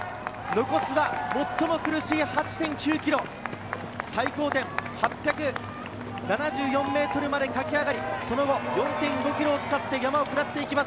残すは最も苦しい８．９ｋｍ、最高点８７４メートルまで駆け上がり、その後、４．５ｋｍを使って山を下っていきます。